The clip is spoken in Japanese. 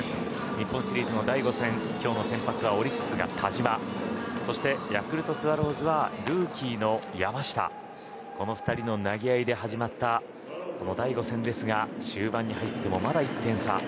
日本シリーズの第５戦今日の先発、オリックスが田嶋そしてヤクルトスワローズはルーキーの山下この２人の投げ合いで始まった第５戦ですが終盤に入ってもまだ１点差。